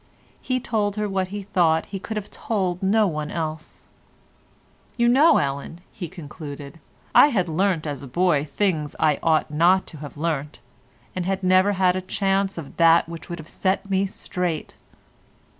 He told her what he thought he could have told to no one else. "You know, Ellen," he concluded, "I had learnt as a boy things that I ought not to have learnt, and had never had a chance of that which would have set me straight."